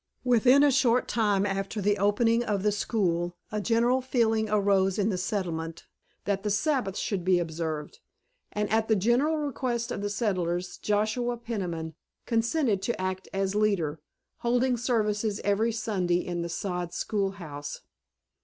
Within a short time after the opening of the school a general feeling arose in the settlement that the Sabbath should be observed, and at the general request of the settlers Joshua Peniman consented to act as leader, holding services every Sunday in the sod schoolhouse.